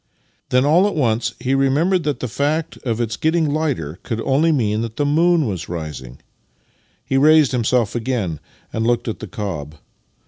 Then all at once he remembered that the fact of its getting lighter could only mean that the moon was rising. He raised himself again, and looked at the cob.